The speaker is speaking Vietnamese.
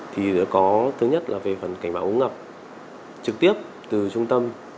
thì có thứ nhất là về phần cảnh báo ứng ngập trực tiếp từ trung tâm